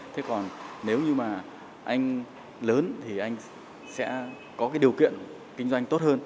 thế còn nếu như mà anh lớn thì anh sẽ có cái điều kiện kinh doanh tốt hơn